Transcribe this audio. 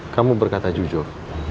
kamu berkata jujur